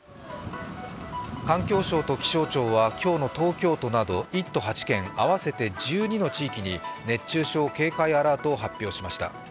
環境省と気象庁は今日の東京都など１都８県、合わせて１２の地域に熱中症警戒アラートを発表しました。